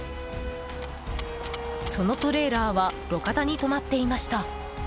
そのトレーラーは路肩に止まっていました。